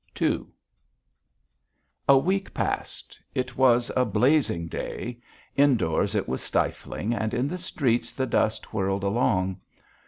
II A week passed. It was a blazing day. Indoors it was stifling, and in the streets the dust whirled along.